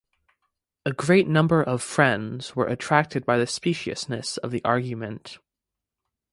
A great number of Friends were attracted by the speciousness of the argument.